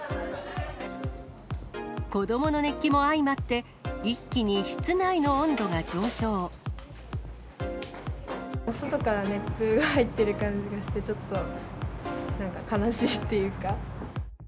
子どもの熱気も相まって、外から熱風が入っている感じがして、ちょっと、なんか悲しいっていうか。